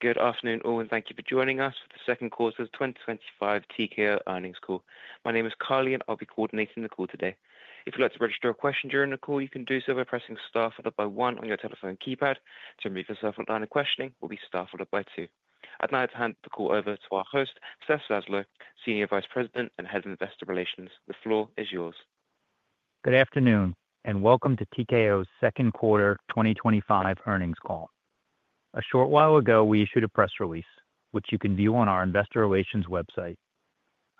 Good afternoon, all, and thank you for joining us for the second quarter 2025 TKO earnings call. My name is Carly, and I'll be coordinating the call today. If you'd like to register a question during the call, you can do so by pressing *1 on your telephone keypad. To remove yourself from the line of questioning, we'll be staffed by two. I'd now like to hand the call over to our host, Seth Zaslow, Senior Vice President and Head of Investor Relations. The floor is yours. Good afternoon, and TKO's second quarter 2025 earnings call. A short while ago, we issued a press release, which you can view on our Investor Relations website.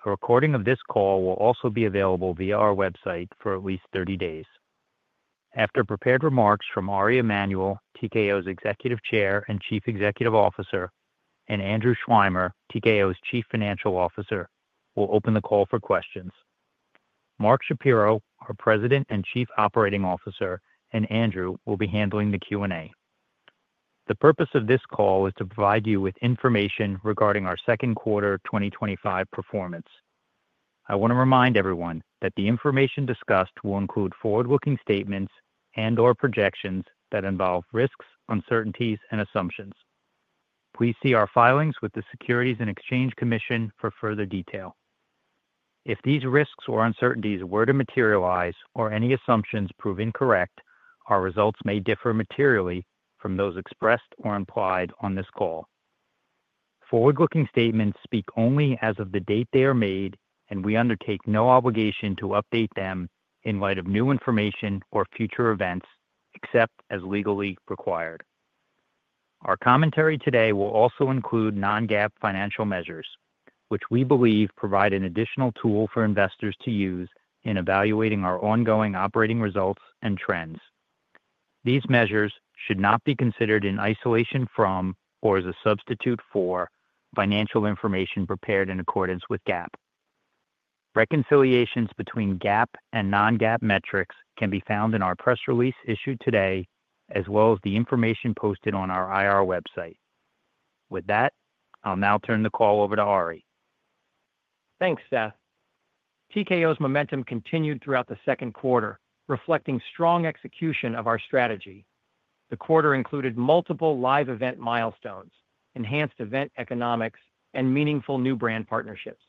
A recording of this call will also be available via our website for at least 30 days. After prepared remarks from Ari Emanuel, TKO's Executive Chair and Chief Executive Officer, and Andrew Schleimer, TKO's Chief Financial Officer, we'll open the call for questions. Mark Shapiro, our President and Chief Operating Officer, and Andrew will be handling the Q&A. The purpose of this call is to provide you with information regarding our second quarter 2025 performance. I want to remind everyone that the information discussed will include forward-looking statements and/or projections that involve risks, uncertainties, and assumptions. Please see our filings with the Securities and Exchange Commission for further detail. If these risks or uncertainties were to materialize, or any assumptions proven correct, our results may differ materially from those expressed or implied on this call. Forward-looking statements speak only as of the date they are made, and we undertake no obligation to update them in light of new information or future events, except as legally required. Our commentary today will also include non-GAAP financial measures, which we believe provide an additional tool for investors to use in evaluating our ongoing operating results and trends. These measures should not be considered in isolation from or as a substitute for financial information prepared in accordance with GAAP. Reconciliations between GAAP and non-GAAP metrics can be found in our press release issued today, as well as the information posted on our IR website. With that, I'll now turn the call over to Ari. Thanks, Seth. TKO's momentum continued throughout the second quarter, reflecting strong execution of our strategy. The quarter included multiple live event milestones, enhanced event economics, and meaningful new brand partnerships.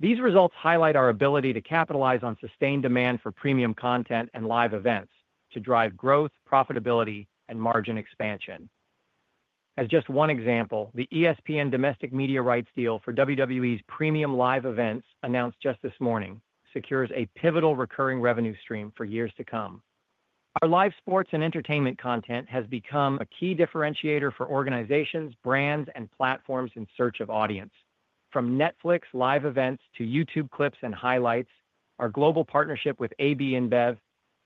These results highlight our ability to capitalize on sustained demand for premium content and live events to drive growth, profitability, and margin expansion. As just one example, the ESPN domestic media rights deal for WWE's premium live events announced just this morning secures a pivotal recurring revenue stream for years to come. Our live sports and entertainment content has become a key differentiator for organizations, brands, and platforms in search of audience. From Netflix live events to YouTube clips and highlights, our global partnership with AB InBev,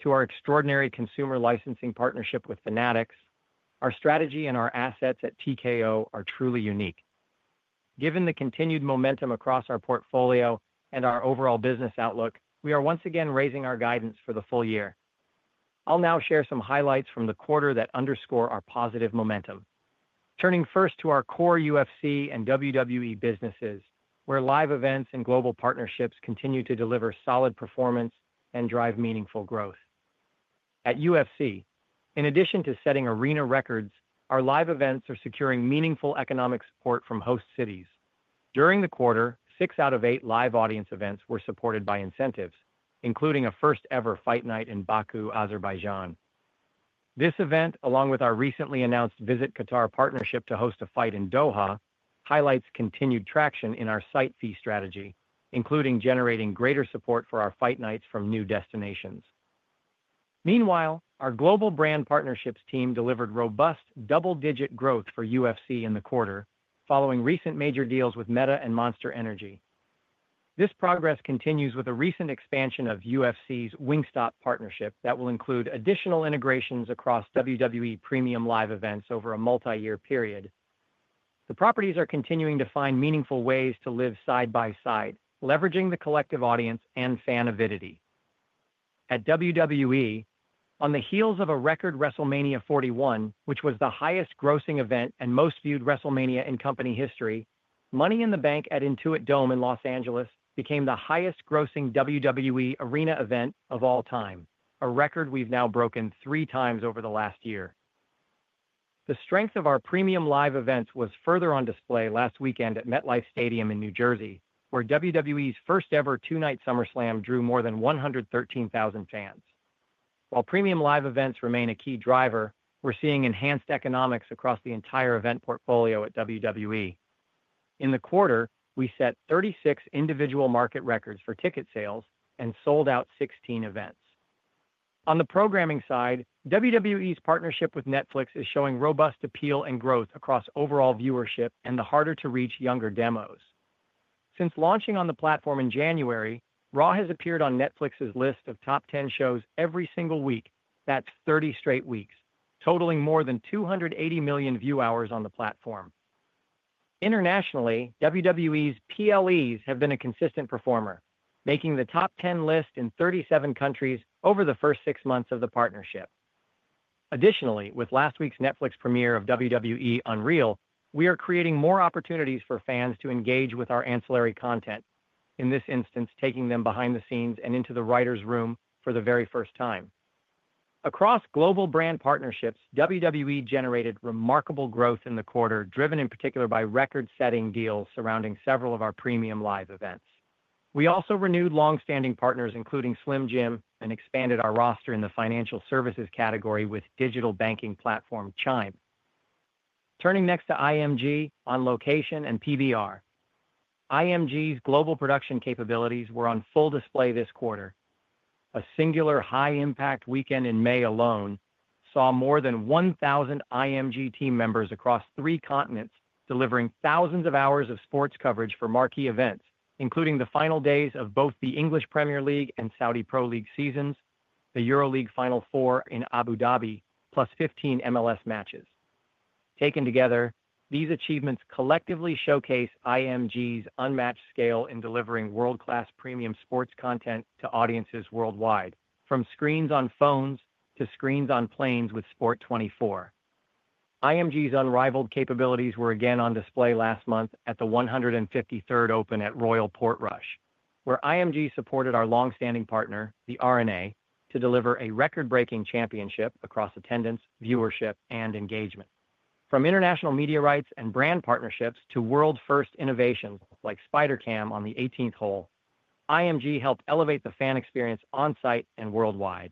to our extraordinary consumer licensing partnership with Fanatics, our strategy and our assets at TKO are truly unique. Given the continued momentum across our portfolio and our overall business outlook, we are once again raising our guidance for the full year. I'll now share some highlights from the quarter that underscore our positive momentum. Turning first to our core UFC and WWE businesses, where live events and global partnerships continue to deliver solid performance and drive meaningful growth. At UFC, in addition to setting arena records, our live events are securing meaningful economic support from host cities. During the quarter, six out of eight live audience events were supported by incentives, including a first-ever fight night in Baku, Azerbaijan. This event, along with our recently announced Visit Qatar partnership to host a fight in Doha, highlights continued traction in our site fee strategy, including generating greater support for our fight nights from new destinations. Meanwhile, our global brand partnerships team delivered robust double-digit growth for UFC in the quarter, following recent major deals with Meta and Monster Energy. This progress continues with a recent expansion of UFC's Wingstop partnership that will include additional integrations across WWE premium live events over a multi-year period. The properties are continuing to find meaningful ways to live side by side, leveraging the collective audience and fan avidity. At WWE, on the heels of a record WrestleMania 41, which was the highest grossing event and most viewed WrestleMania in company history, Money in the Bank at Intuit Dome in Los Angeles became the highest grossing WWE arena event of all time, a record we've now broken three times over the last year. The strength of our premium live events was further on display last weekend at MetLife Stadium in New Jersey, where WWE's first-ever two-night SummerSlam drew more than 113,000 fans. While premium live events remain a key driver, we're seeing enhanced economics across the entire event portfolio at WWE. In the quarter, we set 36 individual market records for ticket sales and sold out 16 events. On the programming side, WWE's partnership with Netflix is showing robust appeal and growth across overall viewership and the harder-to-reach younger demos. Since launching on the platform in January, Raw has appeared on Netflix's list of top 10 shows every single week, that's 30 straight weeks, totaling more than 280 million view hours on the platform. Internationally, WWE's PLEs have been a consistent performer, making the top 10 list in 37 countries over the first six months of the partnership. Additionally, with last week's Netflix premiere of WWE Unreal, we are creating more opportunities for fans to engage with our ancillary content, in this instance taking them behind the scenes and into the writers' room for the very first time. Across global brand partnerships, WWE generated remarkable growth in the quarter, driven in particular by record-setting deals surrounding several of our premium live events. We also renewed longstanding partners, including Slim Jim, and expanded our roster in the financial services category with digital banking platform Chime. Turning next to IMG, On Location, and PBR, IMG's global production capabilities were on full display this quarter. A singular high-impact weekend in May alone saw more than 1,000 IMG team members across three continents, delivering thousands of hours of sports coverage for marquee events, including the final days of both the English Premier League and Saudi Pro League seasons, the EuroLeague Final Four in Abu Dhabi, plus 15 MLS matches. Taken together, these achievements collectively showcase IMG's unmatched scale in delivering world-class premium sports content to audiences worldwide, from screens on phones to screens on planes with Sport24. IMG's unrivaled capabilities were again on display last month at The 153rd Open at Royal Portrush, where IMG supported our longstanding partner, the R&A, to deliver a record-breaking championship across attendance, viewership, and engagement. From international media rights and brand partnerships to world-first innovations like Spydercam on the 18th hole, IMG helped elevate the fan experience on-site and worldwide.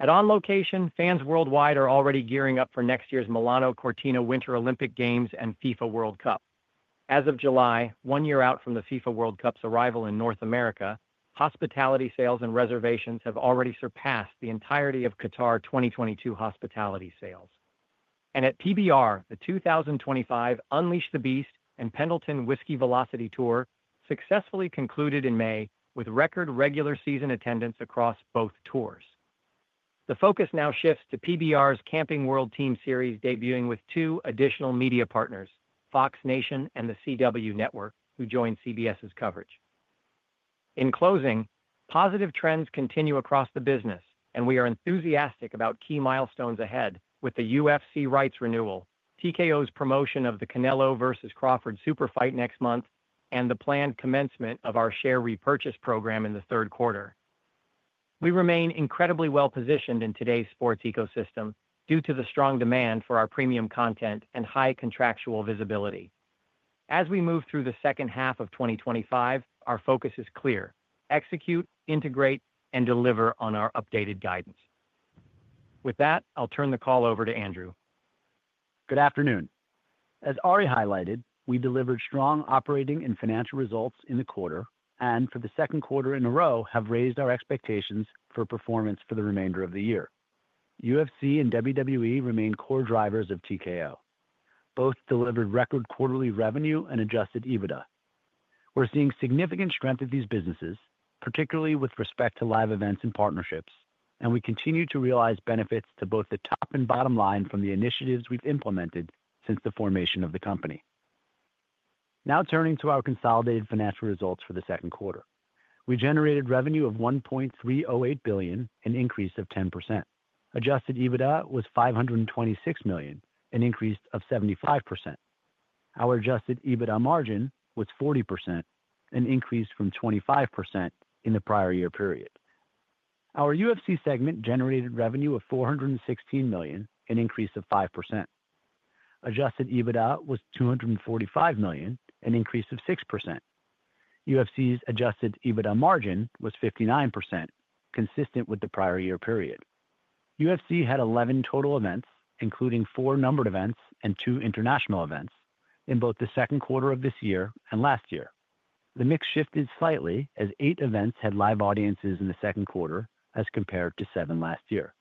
On Location, fans worldwide are already gearing up for next year's Milano Cortina Winter Olympic Games and FIFA World Cup. As of July, one year out from the FIFA World Cup's arrival in North America, hospitality sales and reservations have already surpassed the entirety of Qatar 2022 hospitality sales. At PBR, the 2025 Unleash the Beast and Pendleton Whisky Velocity Tour successfully concluded in May, with record regular season attendance across both tours. The focus now shifts to PBR's Camping World Team Series debuting with two additional media partners, Fox Nation and The CW Network, who joined CBS' coverage. In closing, positive trends continue across the business, and we are enthusiastic about key milestones ahead, with the UFC rights renewal, TKO's promotion of the Canelo vs. Crawford Super Fight next month, and the planned commencement of our share repurchase program in the third quarter. We remain incredibly well-positioned in today's sports ecosystem due to the strong demand for our premium content and high contractual visibility. As we move through the second half of 2025, our focus is clear: execute, integrate, and deliver on our updated guidance. With that, I'll turn the call over to Andrew. Good afternoon. As Ari highlighted, we delivered strong operating and financial results in the quarter, and for the second quarter in a row, have raised our expectations for performance for the remainder of the year. UFC and WWE remain core drivers of TKO. Both delivered record quarterly revenue and adjusted EBITDA. We're seeing significant strength in these businesses, particularly with respect to live events and partnerships, and we continue to realize benefits to both the top and bottom line from the initiatives we've implemented since the formation of the company. Now turning to our consolidated financial results for the second quarter. We generated revenue of $1.308 billion, an increase of 10%. Adjusted EBITDA was $526 million, an increase of 75%. Our adjusted EBITDA margin was 40%, an increase from 25% in the prior year period. Our UFC segment generated revenue of $416 million, an increase of 5%. Adjusted EBITDA was $245 million, an increase of 6%. UFC's adjusted EBITDA margin was 59%, consistent with the prior year period. UFC had 11 total events, including four numbered events and two international events, in both the second quarter of this year and last year. The mix shifted slightly as eight events had live audiences in the second quarter, as compared to seven last year.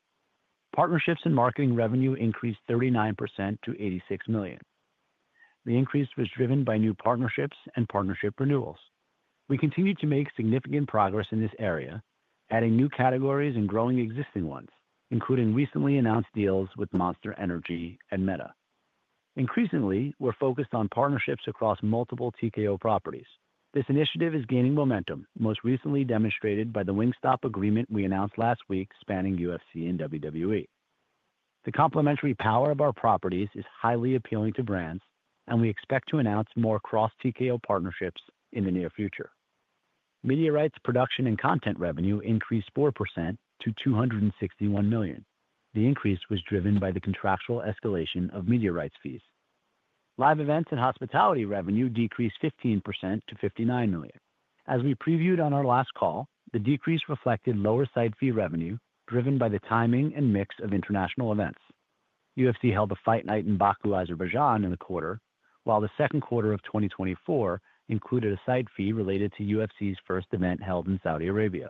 Partnerships and marketing revenue increased 39% to $86 million. The increase was driven by new partnerships and partnership renewals. We continue to make significant progress in this area, adding new categories and growing existing ones, including recently announced deals with Monster Energy and Meta. Increasingly, we're focused on partnerships across multiple TKO properties. This initiative is gaining momentum, most recently demonstrated by the Wingstop agreement we announced last week spanning UFC and WWE. The complementary power of our properties is highly appealing to brands, and we expect to announce more cross-TKO partnerships in the near future. Media rights production and content revenue increased 4% to $261 million. The increase was driven by the contractual escalation of media rights fees. Live events and hospitality revenue decreased 15% to $59 million. As we previewed on our last call, the decrease reflected lower site fee revenue, driven by the timing and mix of international events. UFC held a fight night in Baku, Azerbaijan, in the quarter, while the second quarter of 2024 included a site fee related to UFC's first event held in Saudi Arabia.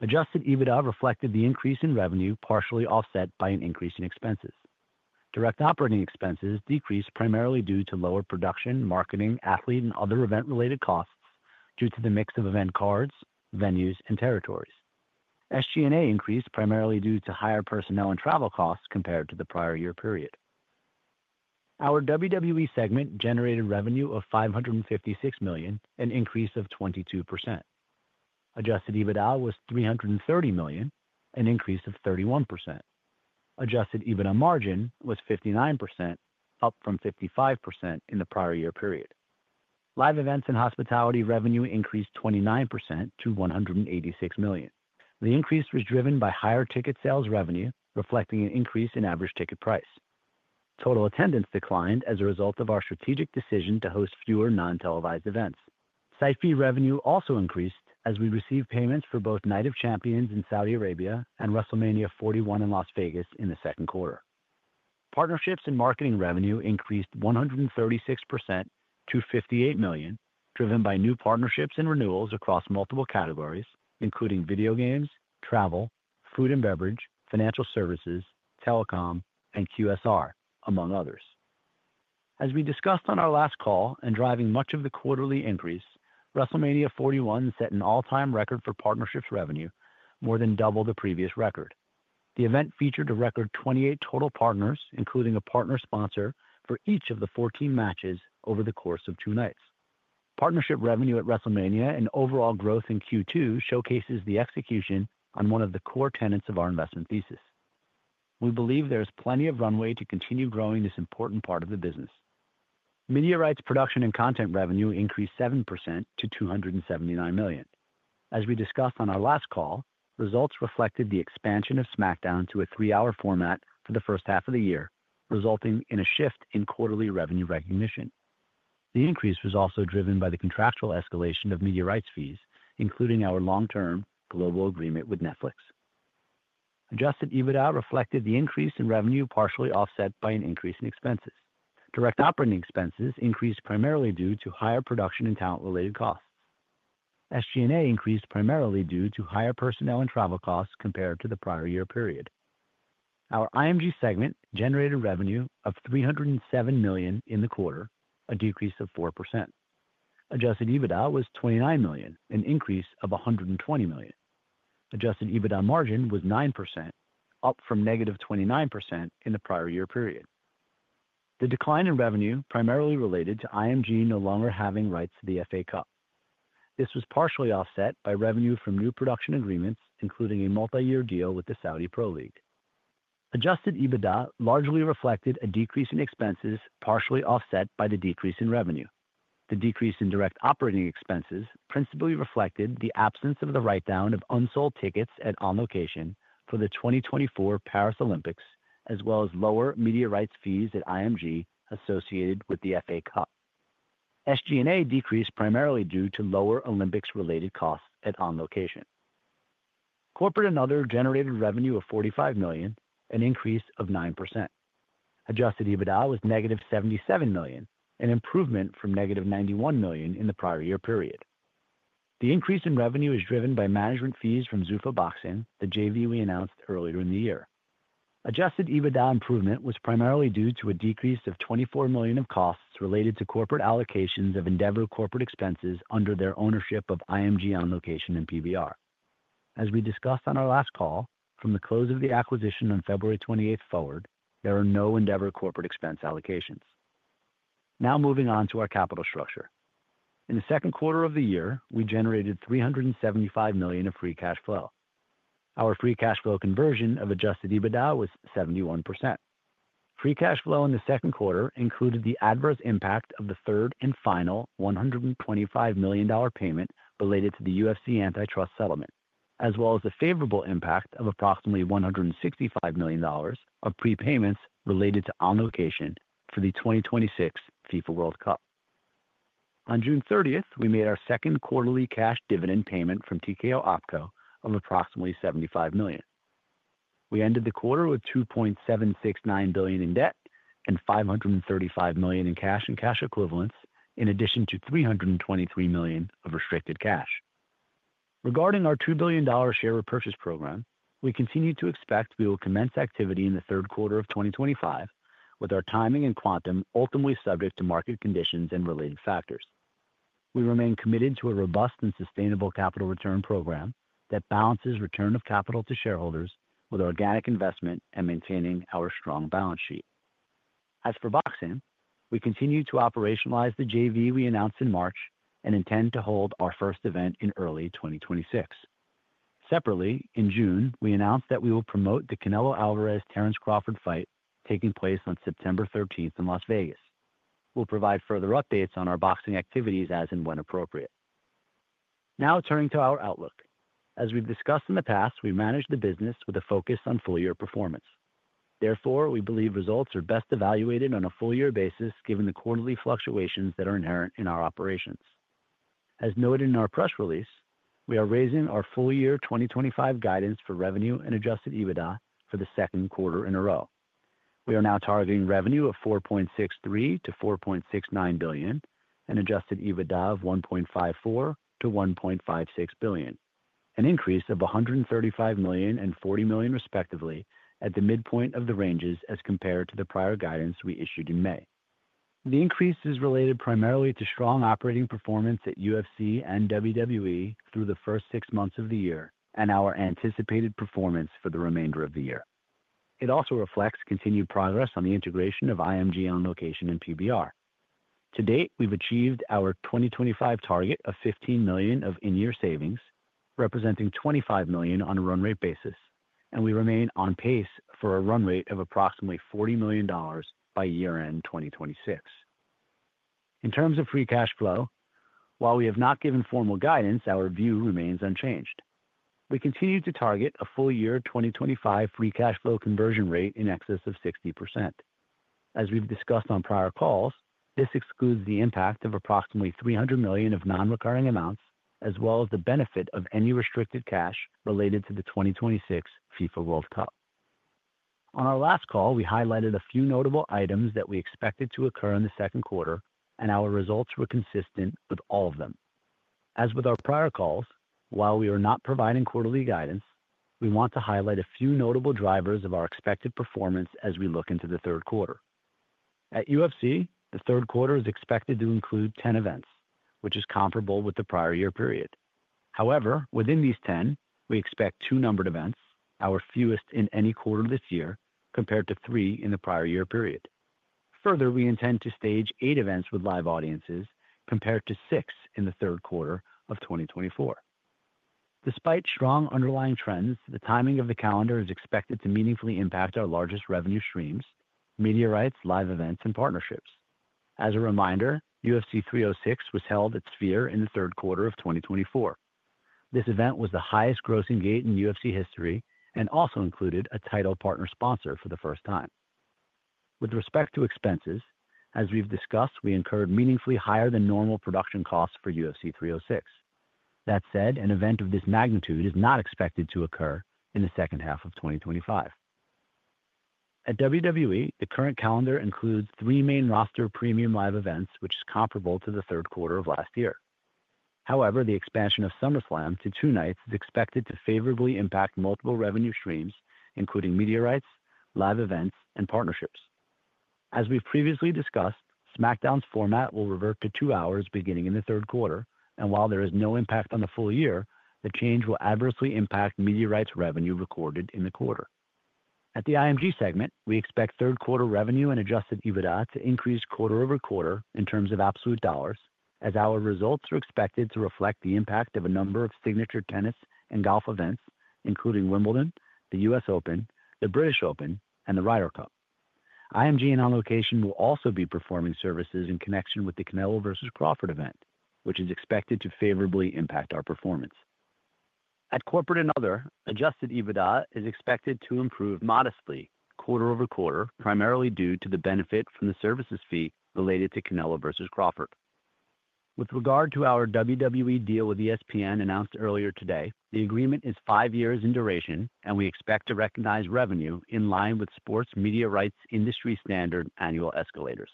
Adjusted EBITDA reflected the increase in revenue, partially offset by an increase in expenses. Direct operating expenses decreased primarily due to lower production, marketing, athlete, and other event-related costs due to the mix of event cards, venues, and territories. SG&A increased primarily due to higher personnel and travel costs compared to the prior year period. Our WWE segment generated revenue of $556 million, an increase of 22%. Adjusted EBITDA was $330 million, an increase of 31%. Adjusted EBITDA margin was 59%, up from 55% in the prior year period. Live events and hospitality revenue increased 29% to $186 million. The increase was driven by higher ticket sales revenue, reflecting an increase in average ticket price. Total attendance declined as a result of our strategic decision to host fewer non-televised events. Site fee revenue also increased as we received payments for both Night of Champions in Saudi Arabia and WrestleMania 41 in Las Vegas in the second quarter. Partnerships and marketing revenue increased 136% to $58 million, driven by new partnerships and renewals across multiple categories, including video games, travel, food and beverage, financial services, telecom, and QSR, among others. As we discussed on our last call and driving much of the quarterly increase, WrestleMania 41 set an all-time record for partnerships revenue, more than double the previous record. The event featured a record 28 total partners, including a partner sponsor for each of the 14 matches over the course of two nights. Partnership revenue at WrestleMania and overall growth in Q2 showcase the execution on one of the core tenets of our investment thesis. We believe there's plenty of runway to continue growing this important part of the business. Media rights production and content revenue increased 7% to $279 million. As we discussed on our last call, results reflected the expansion of SmackDown to a three-hour format for the first half of the year, resulting in a shift in quarterly revenue recognition. The increase was also driven by the contractual escalation of media rights fees, including our long-term global agreement with Netflix. Adjusted EBITDA reflected the increase in revenue, partially offset by an increase in expenses. Direct operating expenses increased primarily due to higher production and talent-related costs. SG&A increased primarily due to higher personnel and travel costs compared to the prior year period. Our IMG segment generated revenue of $307 million in the quarter, a decrease of 4%. Adjusted EBITDA was $29 million, an increase of $120 million. Adjusted EBITDA margin was 9%, up from -29% in the prior year period. The decline in revenue primarily related to IMG no longer having rights to the FA Cup. This was partially offset by revenue from new production agreements, including a multi-year deal with the Saudi Pro League. Adjusted EBITDA largely reflected a decrease in expenses, partially offset by the decrease in revenue. The decrease in direct operating expenses principally reflected the absence of the write-down of unsold tickets at On Location for the 2024 Paris Olympics, as well as lower media rights fees at IMG associated with the FA Cup. SG&A decreased primarily due to lower Olympics-related costs at On Location. Corporate and other generated revenue of $45 million, an increase of 9%. Adjusted EBITDA was -$77 million, an improvement from -$91 million in the prior year period. The increase in revenue is driven by management fees from Zuffa Boxing, the JV we announced earlier in the year. Adjusted EBITDA improvement was primarily due to a decrease of $24 million of costs related to corporate allocations of Endeavor corporate expenses under their ownership of IMG, On Location, and PBR. As we discussed on our last call, from the close of the acquisition on February 28th forward, there are no Endeavor corporate expense allocations. Now moving on to our capital structure. In the second quarter of the year, we generated $375 million of free cash flow. Our free cash flow conversion of adjusted EBITDA was 71%. Free cash flow in the second quarter included the adverse impact of the third and final $125 million payment related to the UFC antitrust settlement, as well as the favorable impact of approximately $165 million of prepayments related to On Location for the 2026 FIFA World Cup. On June 30th, we made our second quarterly cash dividend payment from TKO OpCo of approximately $75 million. We ended the quarter with $2.769 billion in debt and $535 million in cash and cash equivalents, in addition to $323 million of restricted cash. Regarding our $2 billion share repurchase program, we continue to expect we will commence activity in the third quarter of 2025, with our timing and quantum ultimately subject to market conditions and related factors. We remain committed to a robust and sustainable capital return program that balances return of capital to shareholders with organic investment and maintaining our strong balance sheet. As for boxing, we continue to operationalize the JV we announced in March and intend to hold our first event in early 2026. Separately, in June, we announced that we will promote the Canelo Álvarez-Terence Crawford fight taking place on September 13 in Las Vegas. We'll provide further updates on our boxing activities as and when appropriate. Now turning to our outlook. As we've discussed in the past, we manage the business with a focus on full-year performance. Therefore, we believe results are best evaluated on a full-year basis, given the quarterly fluctuations that are inherent in our operations. As noted in our press release, we are raising our full-year 2025 guidance for revenue and adjusted EBITDA for the second quarter in a row. We are now targeting revenue of $4.63 billion-$4.69 billion and adjusted EBITDA of $1.54 billion-$1.56 billion, an increase of $135 million and $40 million, respectively, at the midpoint of the ranges as compared to the prior guidance we issued in May. The increase is related primarily to strong operating performance at UFC and WWE through the first six months of the year and our anticipated performance for the remainder of the year. It also reflects continued progress on the integration of IMG, On Location, and PBR. To date, we've achieved our 2025 target of $15 million of in-year savings, representing $25 million on a run-rate basis, and we remain on pace for a run-rate of approximately $40 million by year-end 2026. In terms of free cash flow, while we have not given formal guidance, our view remains unchanged. We continue to target a full-year 2025 free cash flow conversion rate in excess of 60%. As we've discussed on prior calls, this excludes the impact of approximately $300 million of non-recurring amounts, as well as the benefit of any restricted cash related to the 2026 FIFA World Cup. On our last call, we highlighted a few notable items that we expected to occur in the second quarter, and our results were consistent with all of them. As with our prior calls, while we are not providing quarterly guidance, we want to highlight a few notable drivers of our expected performance as we look into the third quarter. At UFC, the third quarter is expected to include 10 events, which is comparable with the prior year period. However, within these 10, we expect two numbered events, our fewest in any quarter this year, compared to three in the prior year period. Further, we intend to stage eight events with live audiences, compared to six in the third quarter of 2024. Despite strong underlying trends, the timing of the calendar is expected to meaningfully impact our largest revenue streams: media rights, live events, and partnerships. As a reminder, UFC 306 was held at Sphere in the third quarter of 2024. This event was the highest grossing gate in UFC history and also included a title partner sponsor for the first time. With respect to expenses, as we've discussed, we incurred meaningfully higher than normal production costs for UFC 306. That said, an event of this magnitude is not expected to occur in the second half of 2025. At WWE, the current calendar includes three main roster premium live events, which is comparable to the third quarter of last year. However, the expansion of SummerSlam to two nights is expected to favorably impact multiple revenue streams, including media rights, live events, and partnerships. As we've previously discussed, SmackDown's format will revert to two hours beginning in the third quarter, and while there is no impact on the full year, the change will adversely impact media rights revenue recorded in the quarter. At the IMG segment, we expect third quarter revenue and adjusted EBITDA to increase quarter-over-quarter in terms of absolute dollars, as our results are expected to reflect the impact of a number of signature tennis and golf events, including Wimbledon, the US Open, the British Open, and the Ryder Cup. IMG and On Location will also be performing services in connection with the Canelo versus Crawford event, which is expected to favorably impact our performance. At corporate and other, adjusted EBITDA is expected to improve modestly quarter-over-quarter, primarily due to the benefit from the services fee related to Canelo versus Crawford. With regard to our WWE deal with ESPN announced earlier today, the agreement is five years in duration, and we expect to recognize revenue in line with sports media rights industry standard annual escalators.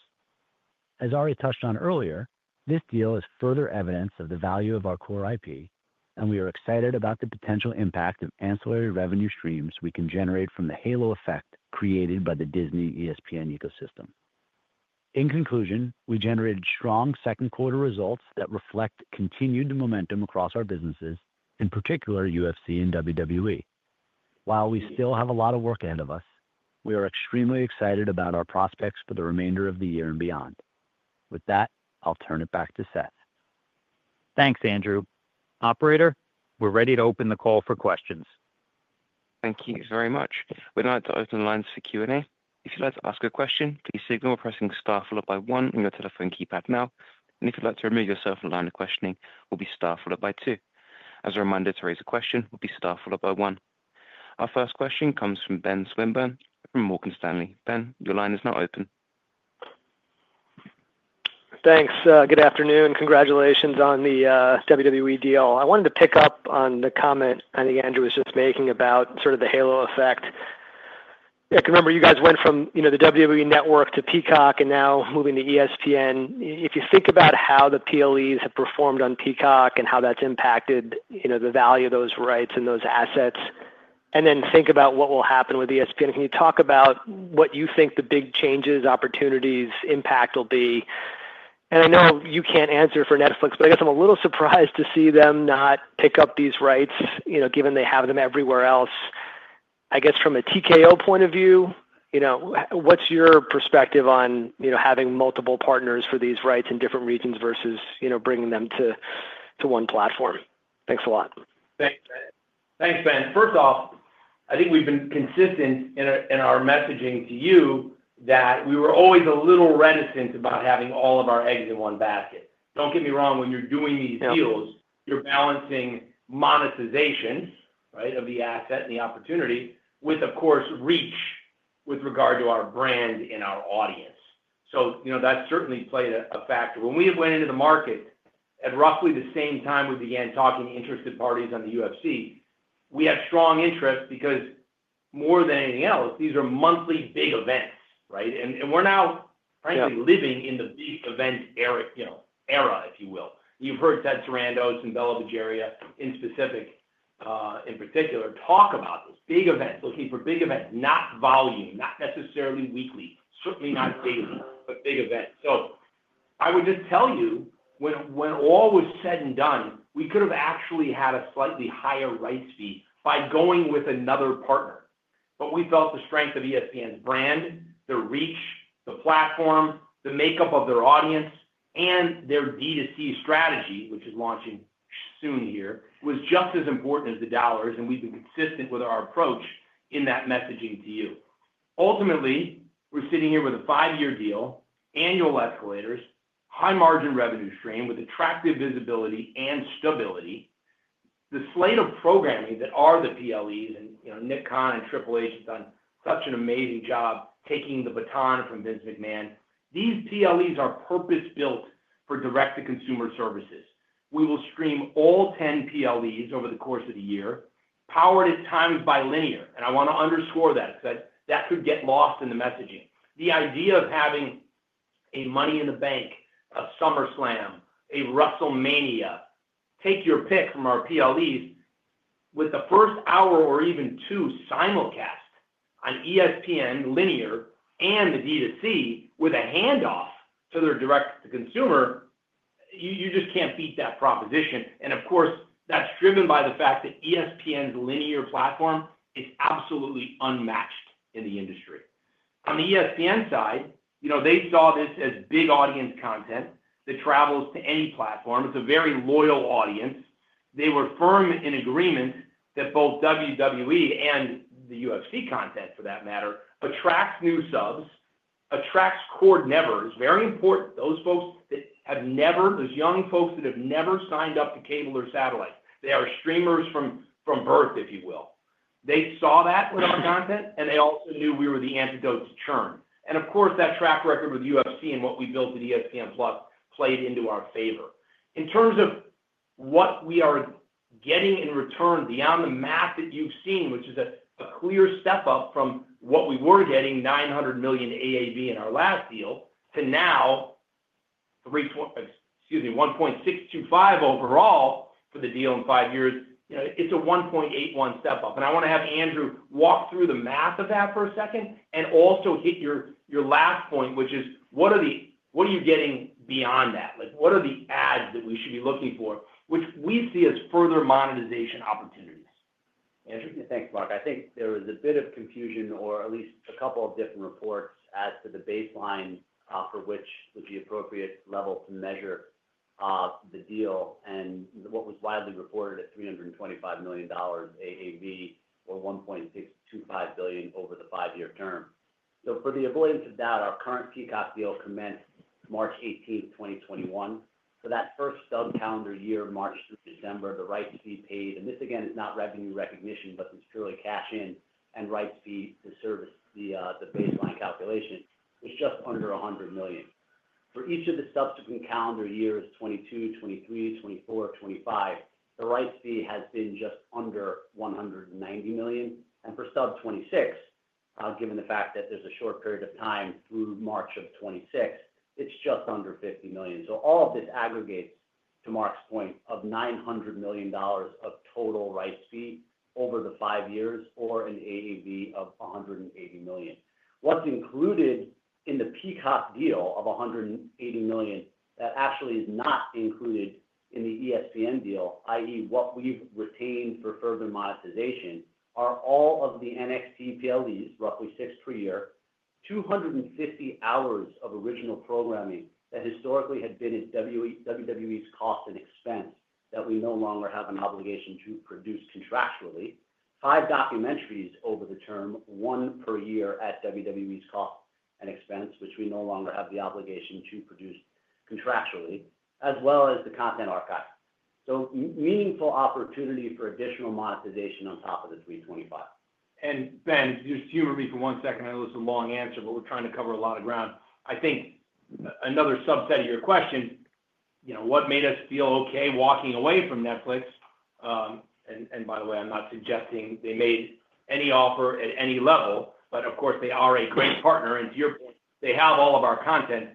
As Ari touched on earlier, this deal is further evidence of the value of our core IP, and we are excited about the potential impact of ancillary revenue streams we can generate from the halo effect created by the Disney-ESPN ecosystem. In conclusion, we generated strong second quarter results that reflect continued momentum across our businesses, in particular UFC and WWE. While we still have a lot of work ahead of us, we are extremely excited about our prospects for the remainder of the year and beyond. With that, I'll turn it back to Seth. Thanks, Andrew. Operator, we're ready to open the call for questions. Thank you very much. We'd like to open the lines for Q&A. If you'd like to ask a question, please signal by pressing *1 on your telephone keypad now. If you'd like to remove yourself from the line of questioning, please press *2. As a reminder, to raise a question, please press *1. Our first question comes from Ben Swinburne from Morgan Stanley. Ben, your line is now open. Thanks. Good afternoon. Congratulations on the WWE deal. I wanted to pick up on the comment I think Andrew was just making about sort of the halo effect. I can remember you guys went from the WWE Network to Peacock and now moving to ESPN. If you think about how the PLEs have performed on Peacock and how that's impacted the value of those rights and those assets, and then think about what will happen with ESPN, can you talk about what you think the big changes, opportunities, impact will be? I know you can't answer for Netflix, but I guess I'm a little surprised to see them not pick up these rights, given they have them everywhere else. I guess from a TKO point of view, what's your perspective on having multiple partners for these rights in different regions versus bringing them to one platform? Thanks a lot. Thanks, Ben. First off, I think we've been consistent in our messaging to you that we were always a little reticent about having all of our eggs in one basket. Don't get me wrong, when you're doing these deals, you're balancing monetization, right, of the asset and the opportunity with, of course, reach with regard to our brand and our audience. That certainly played a factor. When we went into the market at roughly the same time we began talking to interested parties on the UFC, we had strong interest because, more than anything else, these are monthly big events, right? We're now, frankly, living in the big event era, you know, era, if you will. You've heard Ted Sarandos and Bela Bajaria, in specific, in particular, talk about those big events, looking for big events, not volume, not necessarily weekly, certainly not daily, but big events. I would just tell you, when all was said and done, we could have actually had a slightly higher rights fee by going with another partner. We felt the strength of ESPN's brand, the reach, the platform, the makeup of their audience, and their D2C strategy, which is launching soon here, was just as important as the dollars, and we've been consistent with our approach in that messaging to you. Ultimately, we're sitting here with a five-year deal, annual escalators, high margin revenue stream with attractive visibility and stability. The slate of programming that are the PLEs, and you know, Nick Khan and Triple H have done such an amazing job taking the baton from Vince McMahon. These PLEs are purpose-built for direct-to-consumer services. We will stream all 10 PLEs over the course of the year, powered at times by linear, and I want to underscore that, that could get lost in the messaging. The idea of having a Money in the Bank, a SummerSlam, a WrestleMania, take your pick from our PLEs, with the first hour or even two simulcast on ESPN linear and the D2C with a handoff to their direct-to-consumer, you just can't beat that proposition. Of course, that's driven by the fact that ESPN's linear platform is absolutely unmatched in the industry. On the ESPN side, they saw this as big audience content that travels to any platform. It's a very loyal audience. They were firm in agreement that both WWE and the UFC content, for that matter, attracts new subs, attracts core nevers, very important. Those folks that have never, those young folks that have never signed up to cable or satellite, they are streamers from birth, if you will. They saw that with our content, and they also knew we were the antidote to churn. That track record with the UFC and what we built at ESPN+ played into our favor. In terms of what we are getting in return beyond the math that you've seen, which is a clear step up from what we were getting, $900 million AAV in our last deal to now, excuse me, $1.625 billion overall for the deal in five years, you know, it's a $1.81 billion step up. I want to have Andrew walk through the math of that for a second and also hit your last point, which is what are you getting beyond that, like what are the ads that we should be looking for, which we see as further monetization opportunities. Yeah, thank you, Mark. I think there was a bit of confusion, or at least a couple of different reports, as to the baseline for which would be appropriate level to measure the deal and what was widely reported at $325 million AAV or $1.625 billion over the five-year term. For the avoidance of doubt, our current Peacock deal commenced March 18, 2021. For that first sub-calendar year, March through December, the rights fee paid, and this again is not revenue recognition, but it's purely cash in and rights fee to service the baseline calculation, was just under $100 million. For each of the subsequent calendar years, 2022, 2023, 2024, 2025, the rights fee has been just under $190 million. For sub-2026, given the fact that there's a short period of time through March of 2026, it's just under $50 million. All of this aggregates, to Mark's point, of $900 million of total rights fee over the five years or an AAV of $180 million. What's included in the Peacock deal of $180 million that actually is not included in the ESPN deal, i.e., what we've retained for further monetization, are all of the NXT PLEs, roughly six per year, 250 hours of original programming that historically had been at WWE's cost and expense, that we no longer have an obligation to produce contractually, five documentaries over the term, one per year at WWE's cost and expense, which we no longer have the obligation to produce contractually, as well as the content archive. Meaningful opportunity for additional monetization on top of the $325 million. Ben, just humor me for one second. I know this is a long answer, but we're trying to cover a lot of ground. I think another subset of your question, you know, what made us feel okay walking away from Netflix? By the way, I'm not suggesting they made any offer at any level, but of course, they are a great partner. To your point, they have all of our content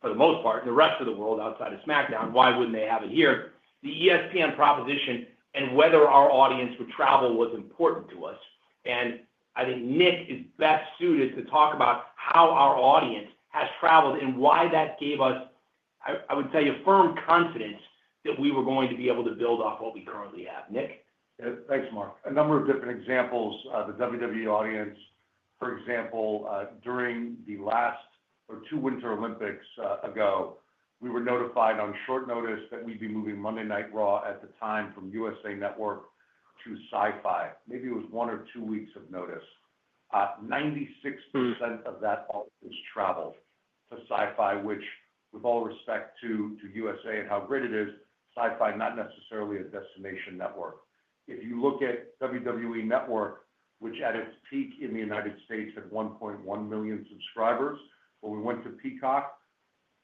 for the most part in the rest of the world outside of SmackDown. Why wouldn't they have it here? The ESPN proposition and whether our audience would travel was important to us. I think Nick is best suited to talk about how our audience has traveled and why that gave us, I would say, a firm confidence that we were going to be able to build off what we currently have. Nick? Thanks, Mark. A number of different examples, the WWE audience. For example, during the last or two Winter Olympics ago, we were notified on short notice that we'd be moving Monday Night Raw at the time from USA Network to Syfy. Maybe it was one or two weeks of notice. 96% of that audience traveled to Syfy, which, with all respect to USA and how great it is, Syfy is not necessarily a destination network. If you look at WWE Network, which at its peak in the United States had 1.1 million subscribers, when we went to Peacock,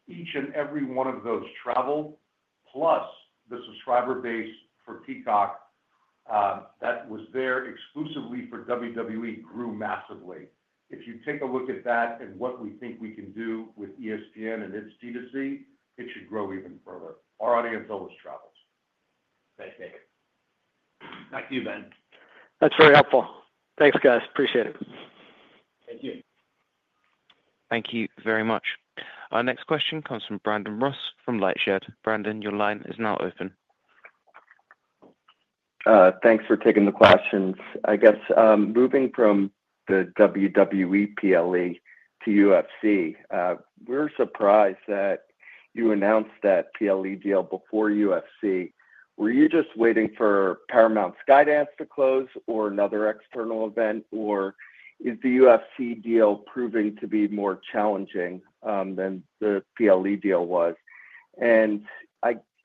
each and every one of those traveled, plus the subscriber base for Peacock that was there exclusively for WWE grew massively. If you take a look at that and what we think we can do with ESPN and its D2C, it should grow even further. Our audience always travels. Thanks, Nick. Back to you, Ben. That's very helpful. Thanks, guys. Appreciate it. Thank you. Thank you very much. Our next question comes from Brandon Ross from LightShed. Brandon, your line is now open. Thanks for taking the questions. I guess moving from the WWE PLE to UFC, we're surprised that you announced that PLE deal before UFC. Were you just waiting for Paramount's Skydance to close or another external event, or is the UFC deal provitng to be more challenging than the PLE deal was?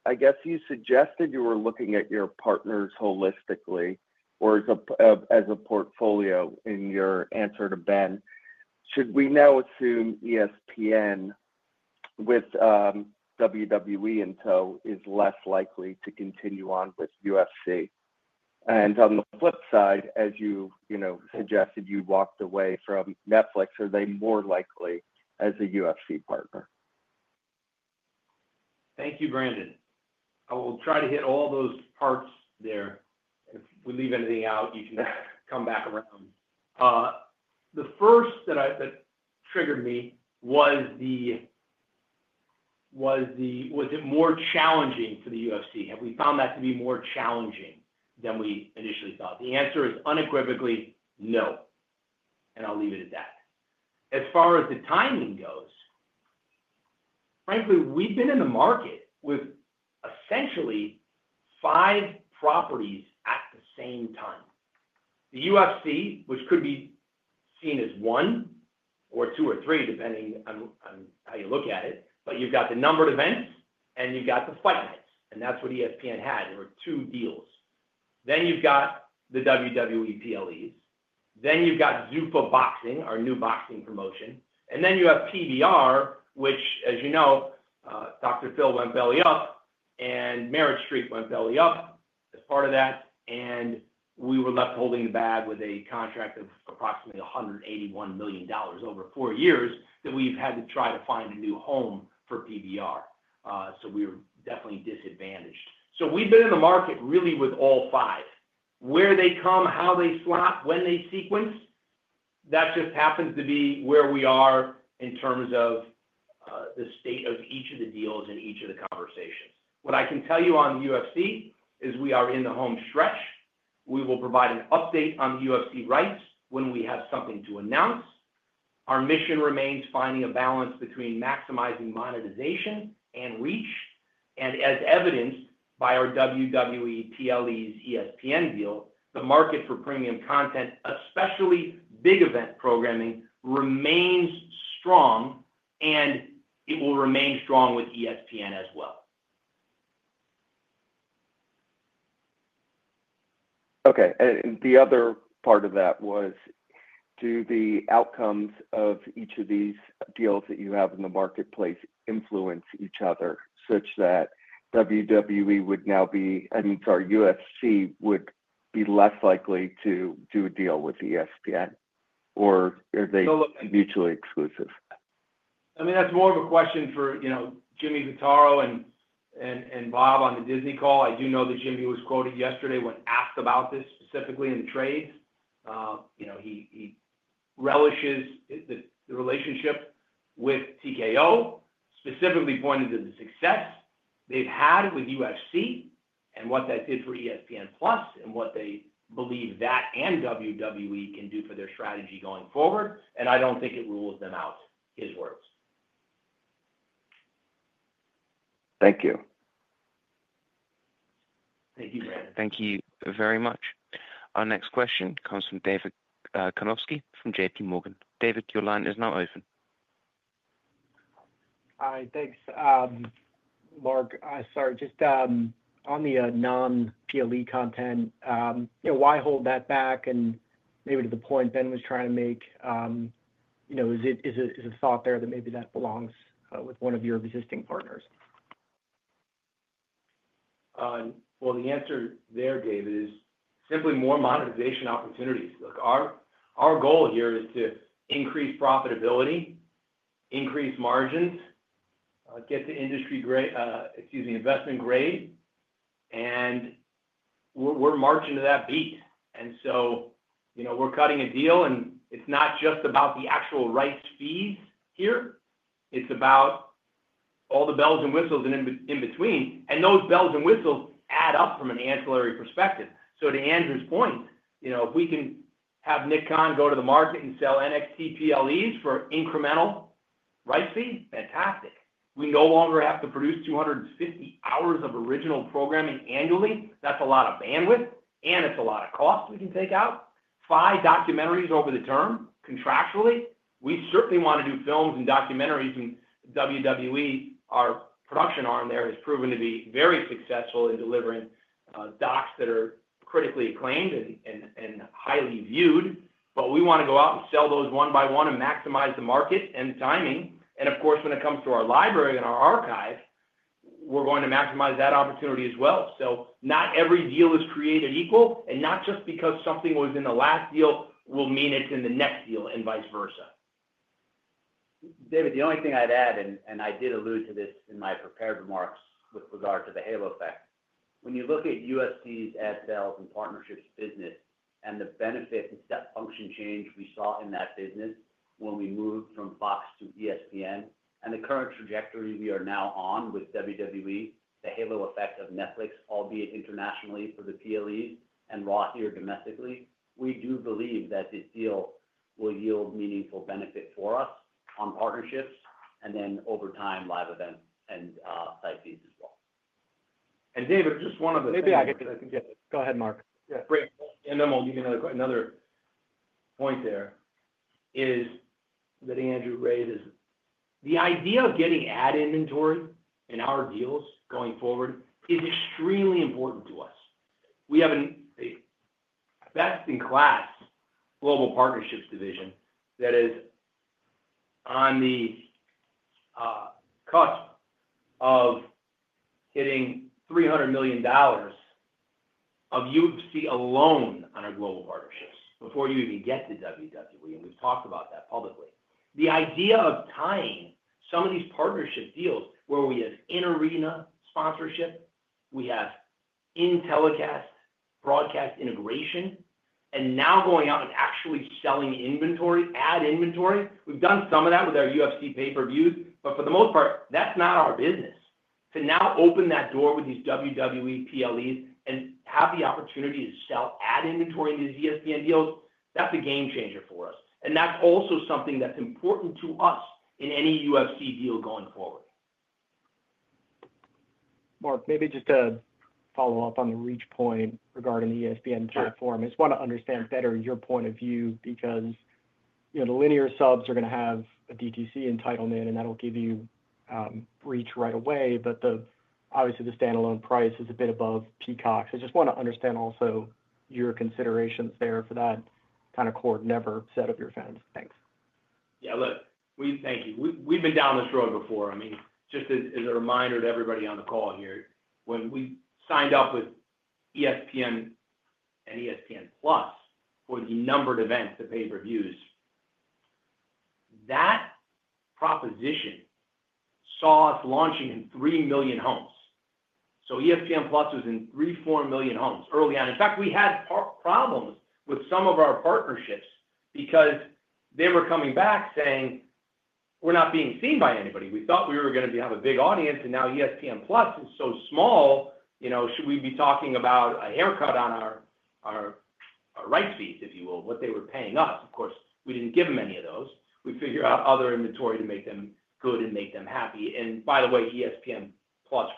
I guess you suggested you were looking at your partners holistically or as a portfolio in your answer to Ben. Should we now assume ESPN with WWE is less likely to continue on with UFC? On the flip side, as you suggested you walked away from Netflix, are they more likely as a UFC partner? Thank you, Brandon. I will try to hit all those parts there. If we leave anything out, you can come back around. The first that triggered me was, was it more challenging for the UFC? Have we found that to be more challenging than we initially thought? The answer is unequivocally no. I'll leave it at that. As far as the timing goes, frankly, we've been in the market with essentially five properties at the same time. The UFC, which could be seen as one or two or three, depending on how you look at it, but you've got the numbered events and you've got the fight nights. That's what ESPN had. There were two deals. Then you've got the WWE PLEs. Then you've got Zuffa Boxing, our new boxing promotion. Then you have PBR, which, as you know, Dr. Phil went belly up and Merit Street went belly up as part of that. We were left holding the bag with a contract of approximately $181 million over four years that we've had to try to find a new home for PBR. We're definitely disadvantaged. We've been in the market really with all five. Where they come, how they slot, when they sequence, that just happens to be where we are in terms of the state of each of the deals and each of the conversations. What I can tell you on the UFC is we are in the home stretch. We will provide an update on the UFC rights when we have something to announce. Our mission remains finding a balance between maximizing monetization and reach. As evidenced by our WWE PLEs ESPN deal, the market for premium content, especially big event programming, remains strong and it will remain strong with ESPN as well. Okay. The other part of that was, do the outcomes of each of these deals that you have in the marketplace influence each other such that WWE would now be, I mean, sorry, UFC would be less likely to do a deal with ESPN? Are they mutually exclusive? That's more of a question for Jimmy Pitaro and Bob on the Disney call. I do know that Jimmy was quoted yesterday when asked about this specifically in the trades. He relishes the relationship with TKO, specifically pointing to the success they've had with UFC and what that did for ESPN+ and what they believe that and WWE can do for their strategy going forward. I don't think it rules them out, his words. Thank you. Thank you, Brandon. Thank you very much. Our next question comes from David Karnovsky from JPMorgan. David, your line is now open. All right. Thanks, Mark. Sorry, just on the non-PLE content, why hold that back? Maybe to the point Ben was trying to make, is a thought there that maybe that belongs with one of your existing partners? The answer there, David, is simply more monetization opportunities. Look, our goal here is to increase profitability, increase margins, get to investment grade, and we're marching to that beat. You know, we're cutting a deal and it's not just about the actual rights fees here. It's about all the bells and whistles in between. Those bells and whistles add up from an ancillary perspective. To Andrew's point, you know, if we can have Nick Khan go to the market and sell NXT PLEs for incremental rights fee, fantastic. We no longer have to produce 250 hours of original programming annually. That's a lot of bandwidth and it's a lot of cost we can take out. Five documentaries over the term, contractually, we certainly want to do films and documentaries and WWE, our production arm there, has proven to be very successful in delivering docs that are critically acclaimed and highly viewed. We want to go out and sell those one by one and maximize the market and timing. Of course, when it comes to our library and our archive, we're going to maximize that opportunity as well. Not every deal is created equal and not just because something was in the last deal will mean it's in the next deal and vice versa. David, the only thing I'd add, and I did allude to this in my prepared remarks with regard to the halo effect, when you look at UFC's SLs and partnerships business and the benefit and step function change we saw in that business when we moved from Fox to ESPN, and the current trajectory we are now on with WWE, the halo effect of Netflix, albeit internationally for the PLEs and Raw here domestically, we do believe that this deal will yield meaningful benefit for us on partnerships and then over time live events and live feeds as well. David, just one of the things. Maybe I could. I think, go ahead, Mark. Yeah, and then I'll give you another point there, is that Andrew raised is the idea of getting ad inventory in our deals going forward is extremely important to us. We have a best-in-class global partnerships division that is on the cusp of hitting $300 million of UFC alone on our global partnerships before you even get to WWE, and we've talked about that publicly. The idea of tying some of these partnership deals where we have in-arena sponsorship, we have in-telecast broadcast integration, and now going out and actually selling inventory, ad inventory, we've done some of that with our UFC pay-per-views, but for the most part, that's not our business. To now open that door with these WWE PLEs and have the opportunity to sell ad inventory in these ESPN deals, that's a game changer for us. That's also something that's important to us in any UFC deal going forward. Mark, maybe just to follow up on the reach point regarding the ESPN forum, I just want to understand better your point of view because, you know, the linear subs are going to have a D2C entitlement and that'll give you reach right away. Obviously, the standalone price is a bit above Peacock. I just want to understand also your considerations there for that kind of core never set up your fans. Thanks. Yeah, look, we thank you. We've been down this road before. I mean, just as a reminder to everybody on the call here, when we signed up with ESPN and ESPN+ for the numbered events to pay-per-views, that proposition saw us launching in 3 million homes. ESPN+ was in 3, 4 million homes early on. In fact, we had problems with some of our partnerships because they were coming back saying we're not being seen by anybody. We thought we were going to have a big audience and now ESPN+ was so small, you know, should we be talking about a haircut on our rights fees, if you will, what they were paying us? Of course, we didn't give them any of those. We figured out other inventory to make them good and make them happy. By the way, ESPN+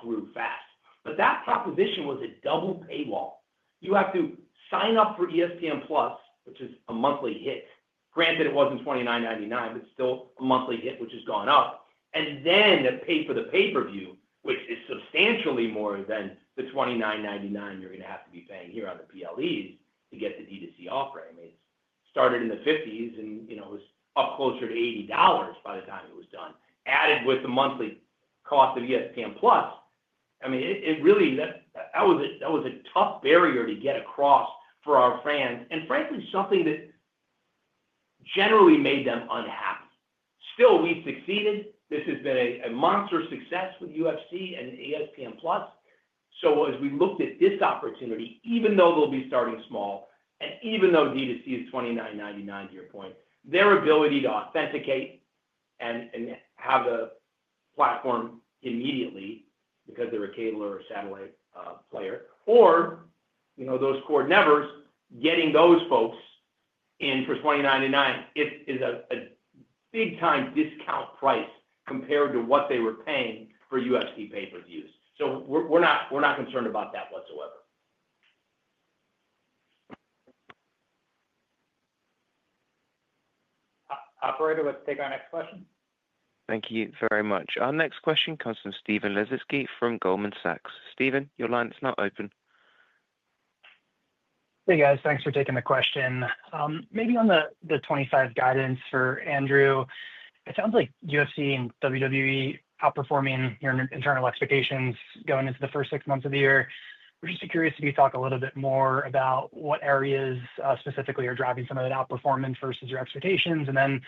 grew fast. That proposition was a double paywall. You have to sign up for ESPN+, which is a monthly hit. Granted, it wasn't $29.99, but still a monthly hit, which has gone up. Then to pay for the pay-per-view, which is substantially more than the $29.99 you're going to have to be paying here on the PLEs to get the D2C offering. I mean, it started in the $50s and, you know, it was up closer to $80 by the time it was done, added with the monthly cost of ESPN+. It really, that was a tough barrier to get across for our fans and frankly something that generally made them unhappy. Still, we've succeeded. This has been a monster success with UFC and ESPN+. As we looked at this opportunity, even though they'll be starting small and even though D2C is $29.99 to your point, their ability to authenticate and have the platform immediately because they're a cable or a satellite player, or, you know, those core nevers, getting those folks in for $29.99 is a big-time discount price compared to what they were paying for UFC pay-per-views. We're not concerned about that whatsoever. Operator, let's take our next question. Thank you very much. Our next question comes from Steven [Laszczyk] from Goldman Sachs. Steven, your line is now open. Hey guys, thanks for taking the question. Maybe on the 2025 guidance for Andrew, it sounds like UFC and WWE outperforming your internal expectations going into the first six months of the year. We're just curious if you talk a little bit more about what areas specifically are driving some of that outperformance versus your expectations, and then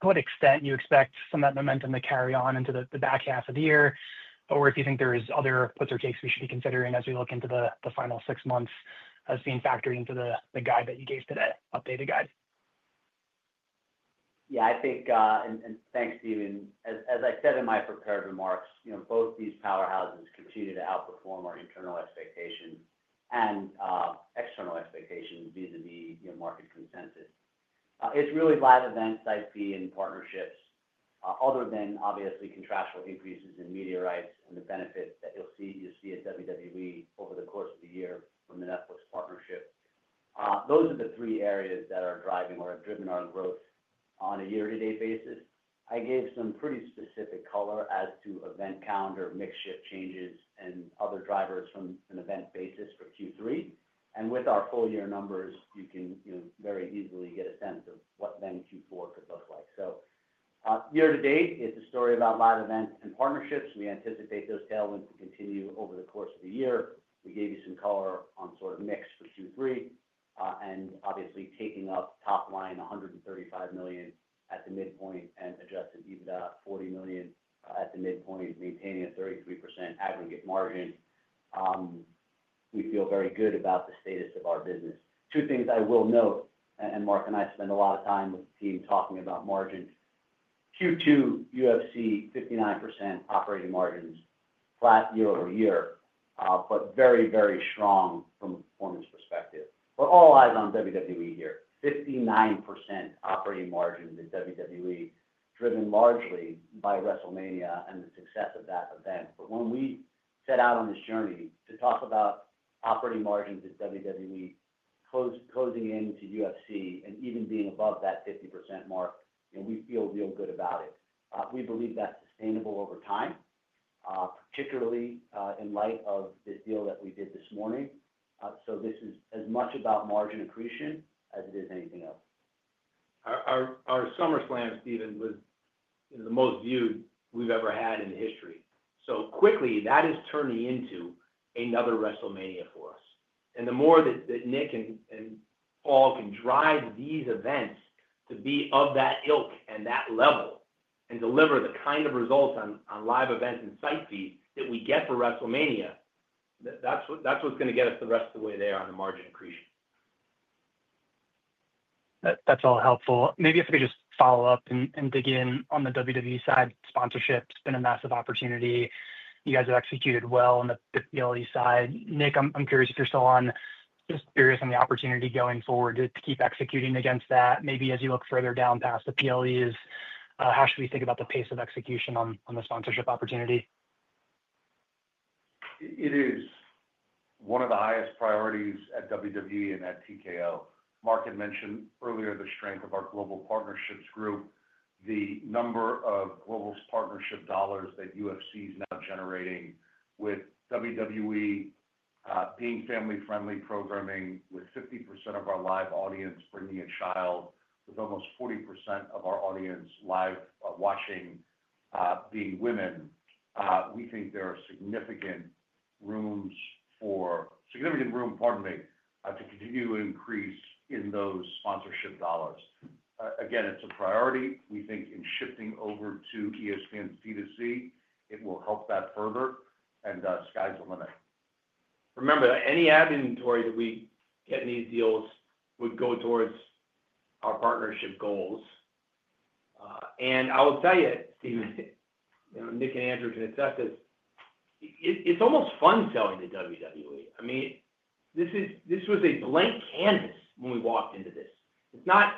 to what extent you expect some of that momentum to carry on into the back half of the year, or if you think there are other puts or takes we should be considering as we look into the final six months as being factored into the guide that you gave today, updated guide. Yeah, I think, and thanks, Steven. As I said in my prepared remarks, you know, both these powerhouses continue to outperform our internal expectations and external expectations due to the market consensus. It's really live events, sightseeing, and partnerships, other than obviously contractual increases in media rights and the benefit that you'll see at WWE over the course of the year from the Netflix partnership. Those are the three areas that are driving or have driven our growth on a year-to-date basis. I gave some pretty specific color as to event calendar, mix shift changes, and other drivers from an event basis for Q3. With our full-year numbers, you can, you know, very easily get a sense of what then Q4 could look like. Year-to-date, it's a story about live events and partnerships. We anticipate those tailwinds to continue over the course of the year. We gave you some color on sort of mix for Q3, and obviously taking up top line $135 million at the midpoint and adjusted EBITDA of $40 million at the midpoint, maintaining a 33% aggregate margin. We feel very good about the status of our business. Two things I will note, and Mark and I spent a lot of time with the team talking about margins. Q2 UFC, 59% operating margins, flat year-over-year, but very, very strong from a performance perspective. We're all eyes on WWE here. 59% operating margins at WWE, driven largely by WrestleMania and the success of that event. When we set out on this journey to talk about operating margins at WWE, closing into UFC and even being above that 50% mark, and we feel real good about it. We believe that's sustainable over time, particularly, in light of this deal that we did this morning. This is as much about margin accretion as it is anything else. Our SummerSlam, Steven, was the most viewed we've ever had in history. That is turning into another WrestleMania for us. The more that Nick and Paul can drive these events to be of that ilk and that level and deliver the kind of results on live events and site fees that we get for WrestleMania, that's what's going to get us the rest of the way there on the margin accretion. That's all helpful. Maybe if we could just follow up and dig in on the WWE side, sponsorship has been a massive opportunity. You guys have executed well on the PLE side. Nick, I'm curious if you're still on, just curious on the opportunity going forward to keep executing against that. Maybe as you look further down past the PLEs, how should we think about the pace of execution on the sponsorship opportunity? It is one of the highest priorities at WWE and at TKO. Mark had mentioned earlier the strength of our global partnerships group, the number of global partnership dollars that UFC is now generating with WWE being family-friendly programming, with 50% of our live audience bringing a child, with almost 40% of our audience live watching being women. We think there is significant room to continue to increase in those sponsorship dollars. It is a priority. We think in shifting over to ESPN's D2C, it will help that further. Sky's the limit. Remember that any ad inventory that we get in these deals would go towards our partnership goals. I will tell you, Steven, you know, Nick and Andrew can attest to this. It's almost fun selling to WWE. I mean, this was a blank canvas when we walked into this. It's not,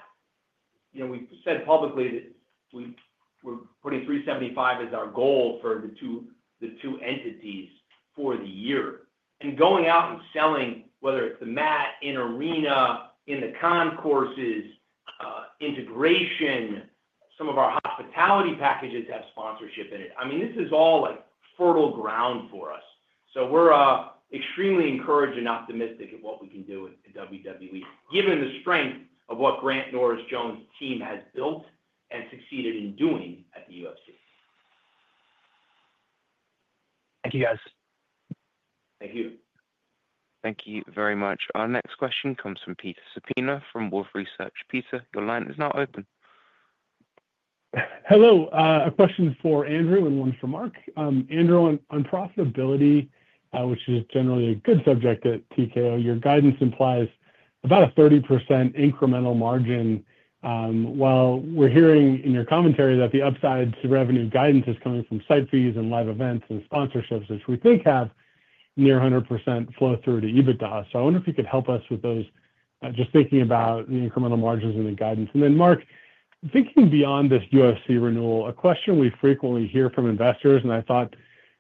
you know, we said publicly that we were putting $375 million as our goal for the two entities for the year. Going out and selling, whether it's the mat, in arena, in the concourses, integration, some of our hospitality packages have sponsorship in it. I mean, this is all like fertile ground for us. We are extremely encouraged and optimistic of what we can do at WWE, given the strength of what Grant Norris-Jones' team has built and succeeded in doing at the UFC. Thank you, guys. Thank you. Thank you very much. Our next question comes from Peter Supino from Wolfe Research. Peter, your line is now open. Hello. A question for Andrew and one for Mark. Andrew, on profitability, which is generally a good subject at TKO, your guidance implies about a 30% incremental margin. While we're hearing in your commentary that the upside to revenue guidance is coming from site fees and live events and sponsorships, which we think have near 100% flow through to EBITDA, I wonder if you could help us with those, just thinking about the incremental margins and the guidance. Mark, thinking beyond this UFC renewal, a question we frequently hear from investors, and I thought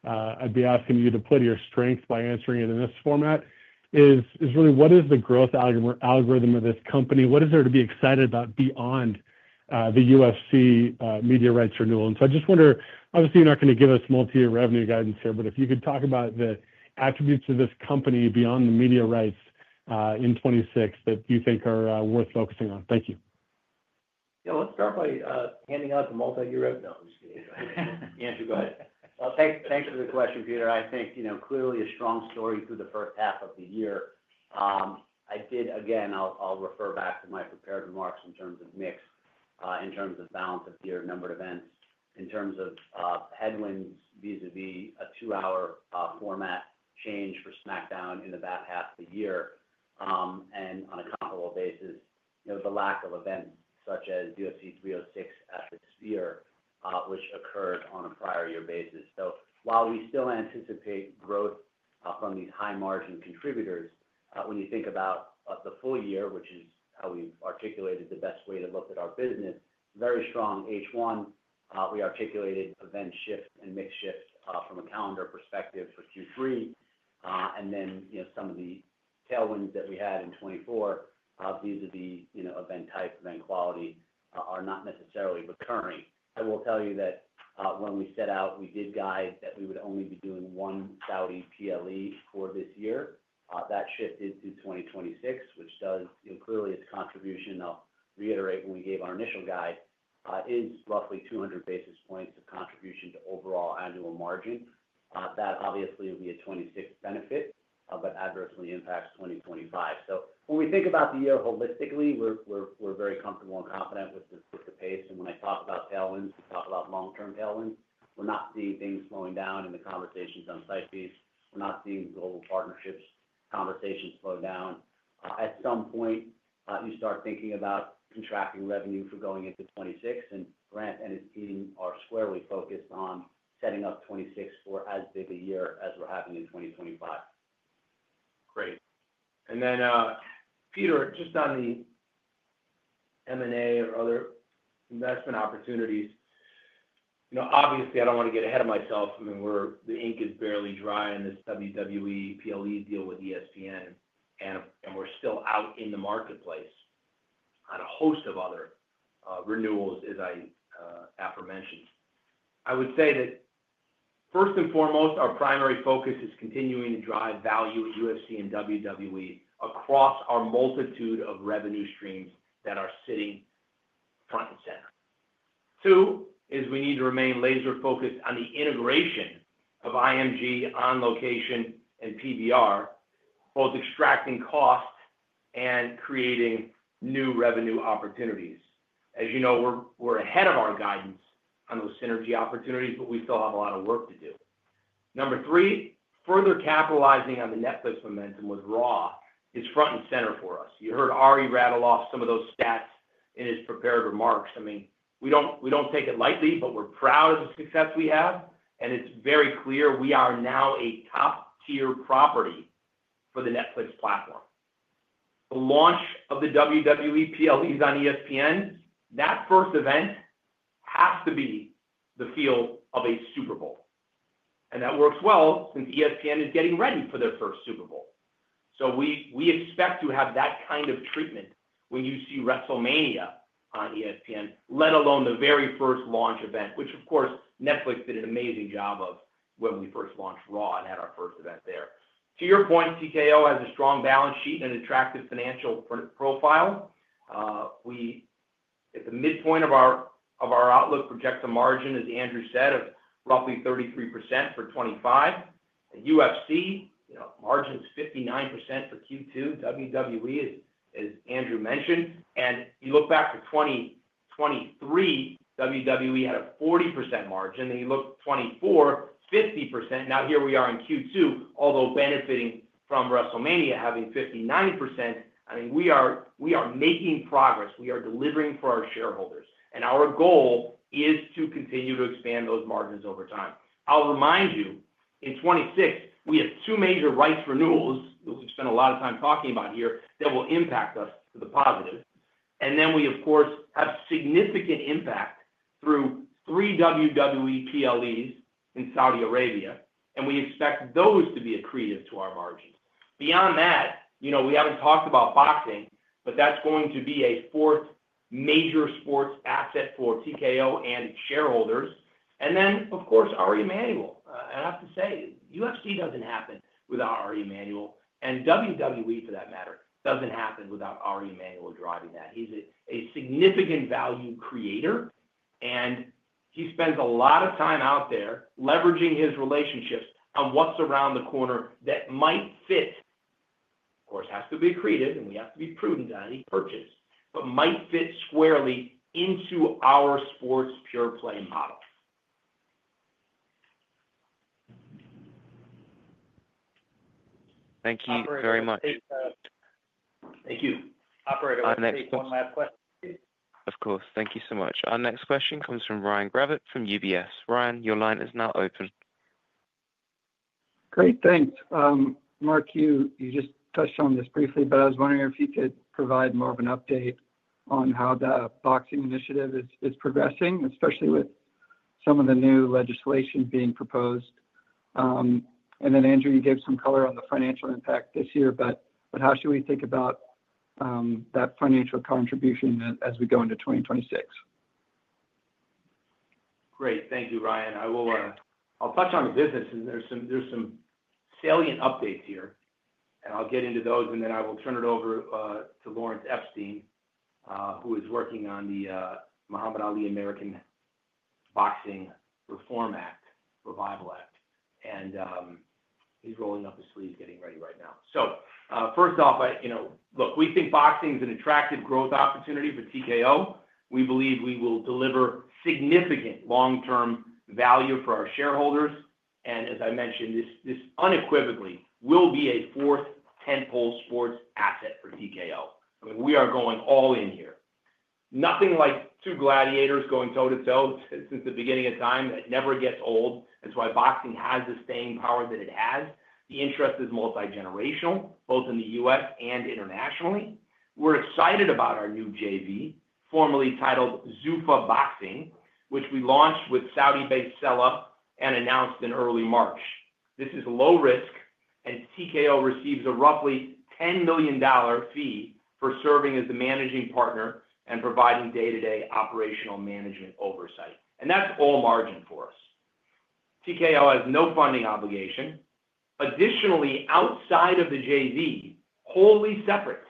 I'd be asking you to put your strength by answering it in this format, is really what is the growth algorithm of this company? What is there to be excited about beyond the UFC media rights renewal? I just wonder, obviously you're not going to give us multi-year revenue guidance here, but if you could talk about the attributes of this company beyond the media rights in 2026 that you think are worth focusing on. Thank you. Let's start by handing out the multi-year revenue. No, Andrew, go ahead. Thank you for the question, Peter. I think, you know, clearly a strong story through the first half of the year. I'll refer back to my prepared remarks in terms of mix, in terms of balance of the numbered events, in terms of headwinds, vis-a-vis a two-hour format change for SmackDown in the back half of the year. On a comparable basis, you know, the lack of events such as DOC 306 at the year, which occurred on a prior year basis. While we still anticipate growth from these high margin contributors, when you think about the full year, which is how we've articulated the best way to look at our business, very strong H1. We articulated event shift and mix shift from a calendar perspective for Q3, and some of the tailwinds that we had in 2024, vis-a-vis event type, event quality, are not necessarily recurring. I will tell you that when we set out, we did guide that we would only be doing one Saudi PLE for this year. That shifted to 2026, which does, you know, clearly its contribution, I'll reiterate when we gave our initial guide, is roughly 200 basis points of contribution to overall annual margin. That obviously would be a 2026 benefit, but adversely impacts 2025. When we think about the year holistically, we're very comfortable and confident that this is the pace. When I talk about tailwinds, we talk about long-term tailwinds. We're not seeing things slowing down in the conversations on site fees. We're not seeing global partnerships conversations slow down. At some point, you start thinking about contracting revenue for going into 2026, and Grant and his team are squarely focused on setting up 2026 for as big a year as we're having in 2025. Great. Peter, just on the M&A or other investment opportunities, obviously I don't want to get ahead of myself. The ink is barely dry in this WWE PLE deal with ESPN, and we're still out in the marketplace on a host of other renewals, as I aforementioned. I would say that first and foremost, our primary focus is continuing to drive value at UFC and WWE across our multitude of revenue streams that are sitting front and center. Two, we need to remain laser-focused on the integration of IMG, On Location, and PBR, both extracting cost and creating new revenue opportunities. As you know, we're ahead of our guidance on those synergy opportunities, but we still have a lot of work to do. Number three, further capitalizing on the Netflix momentum with Raw is front and center for us. You heard Ari rattle off some of those stats in his prepared remarks. We don't take it lightly, but we're proud of the success we have, and it's very clear we are now a top-tier property for the Netflix platform. The launch of the WWE PLEs on ESPN, that first event has to be the feel of a Super Bowl. That works well since ESPN is getting ready for their first Super Bowl. We expect to have that kind of treatment when you see WrestleMania on ESPN, let alone the very first launch event, which of course Netflix did an amazing job of when we first launched Raw and had our first event there. To point, TKO has a strong balance sheet and an attractive financial profile. At the midpoint of our outlook projected margin, as Andrew said, of roughly 33% for 2025. UFC, margin's 59% for Q2. WWE, as Andrew mentioned, and you look back to 2023, WWE had a 40% margin. You look at 2024, 50%. Now here we are in Q2, although benefiting from WrestleMania having 59%. We are making progress. We are delivering for our shareholders. Our goal is to continue to expand those margins over time. I'll remind you, in 2026, we have two major rights renewals that we've spent a lot of time talking about here that will impact us to the positive. We, of course, have significant impact through three WWE PLEs in Saudi Arabia. We expect those to be accretive to our margins. Beyond that, we haven't talked about boxing, but that's going to be a fourth major sports asset for TKO and its shareholders. Of course, Ari Emanuel. I have to say, UFC doesn't happen without Ari Emanuel. WWE, for that matter, doesn't happen without Ari Emanuel driving that. He's a significant value creator. He spends a lot of time out there leveraging his relationships on what's around the corner that might fit. Of course, it has to be accretive, and we have to be prudent on any purchase, but it might fit squarely into our sports pure play model. Thank you very much. Thank you. Operator, one last question. Of course. Thank you so much. Our next question comes from Ryan Gravett from UBS. Ryan, your line is now open. Great, thanks. Mark, you just touched on this briefly, but I was wondering if you could provide more of an update on how the boxing initiative is progressing, especially with some of the new legislation being proposed. Andrew, you gave some color on the financial impact this year, but how should we think about that financial contribution as we go into 2026? Great, thank you, Ryan. I'll touch on the business, and there's some salient updates here. I'll get into those, then I will turn it over to Lawrence Epstein, who is working on the Muhammad Ali American Boxing Reform Act, Revival Act. He's rolling up his sleeves, getting ready right now. First off, I, you know, look, we think boxing is an attractive growth opportunity for TKO. We believe we will deliver significant long-term value for our shareholders. As I mentioned, this unequivocally will be a fourth tentpole sports asset for TKO. I mean, we are going all in here. Nothing like two gladiators going toe-to-toe since the beginning of time, that never gets old. That's why boxing has the staying power that it has. The interest is multigenerational, both in the U.S. and internationally. We're excited about our new JV, formerly titled Zuffa Boxing, which we launched with Saudi-based Sela and announced in early March. This is low risk, and TKO receives a roughly $10 million fee for serving as the managing partner and providing day-to-day operational management oversight. That's all margin for us. TKO has no funding obligation. Additionally, outside of the JV, wholly separate,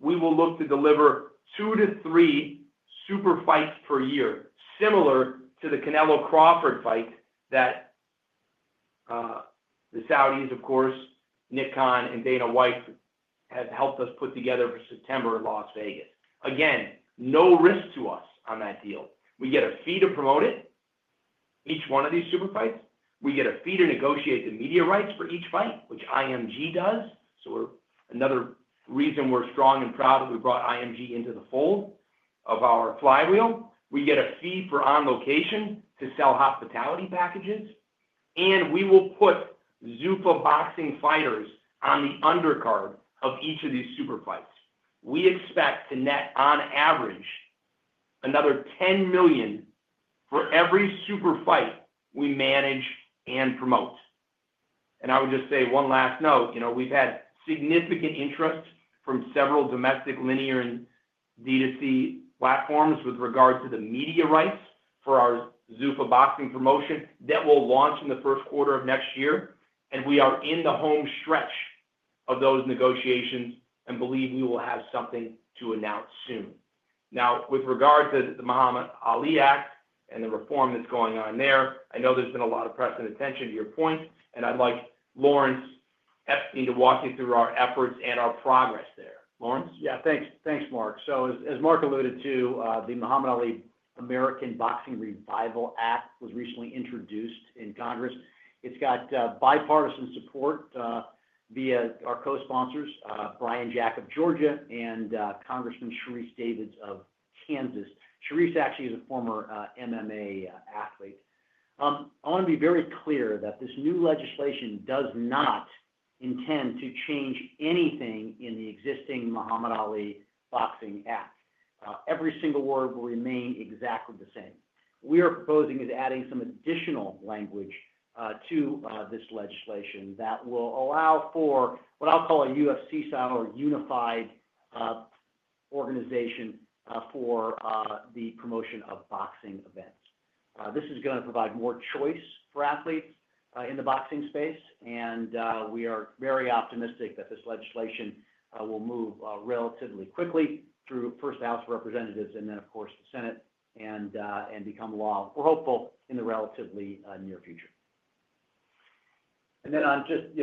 we will look to deliver two to three super fights per year, similar to the Canelo-Crawford fight that the Saudis, of course, Nick Khan and Dana White have helped us put together for September in Las Vegas. Again, no risk to us on that deal. We get a fee to promote it, each one of these super fights. We get a fee to negotiate the media rights for each fight, which IMG does. Another reason we're strong and proud that we brought IMG into the fold of our flywheel. We get a fee for On Location to sell hospitality packages. We will put Zuffa Boxing fighters on the undercard of each of these super fights. We expect to net on average another $10 million for every super fight we manage and promote. I would just say one last note, we've had significant interest from several domestic linear and D2C platforms with regard to the media rights for our Zuffa Boxing promotion that will launch in the first quarter of next year. We are in the home stretch of those negotiations and believe we will have something to announce soon. Now, with regard to the Muhammad Ali Act and the reform that's going on there, I know there's been a lot of press and attention to your point, and I'd like Lawrence Epstein to walk you through our efforts and our progress there. Lawrence? Thank you, Mark. As Mark alluded to, the Muhammad Ali American Boxing Revival Act was recently introduced in Congress. It has bipartisan support via our co-sponsors, Brian Jack of Georgia and Congresswoman Sharice Davids of Kansas. Sharice actually is a former MMA athlete. I want to be very clear that this new legislation does not intend to change anything in the existing Muhammad Ali Boxing Act. Every single word will remain exactly the same. What we are proposing is adding some additional language to this legislation that will allow for what I'll call a UFC-style or unified organization for the promotion of boxing events. This is going to provide more choice for athletes in the boxing space, and we are very optimistic that this legislation will move relatively quickly through the House of Representatives and then, of course, the Senate and become law. We're hopeful in the relatively near future.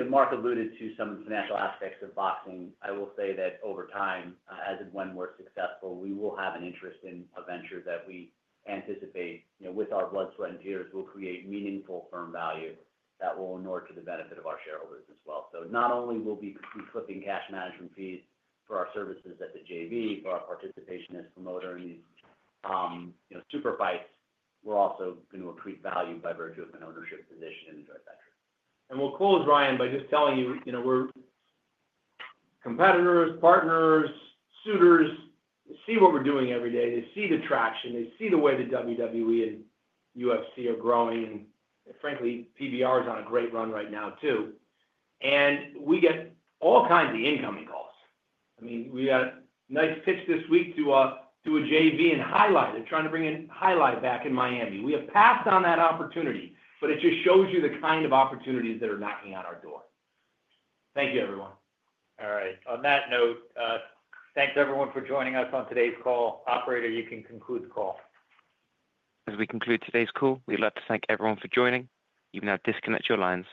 Mark alluded to some of the natural aspects of boxing. I will say that over time, as and when we're successful, we will have an interest in a venture that we anticipate, with our blood, sweat, and tears, will create meaningful, firm value that will in order to the benefit of our shareholders as well. Not only will we be flipping cash management fees for our services at the JV for our participation as a promoter in these super fights, we're also going to accrete value by virtue of an ownership position and enjoy that. We'll close, Ryan, by just telling you, you know, we're competitors, partners, suitors. They see what we're doing every day. They see the traction. They see the way that WWE and UFC are growing. Frankly, PBR is on a great run right now too. We get all kinds of incoming calls. We had a nice pitch this week to a JV in highlight. They're trying to bring in highlight back in Miami. We have passed on that opportunity, but it just shows you the kind of opportunities that are knocking on our door. Thank you, everyone. All right. On that note, thanks everyone for joining us on today's call. Operator, you can conclude the call. As we conclude today's call, we'd like to thank everyone for joining. You may now disconnect your lines.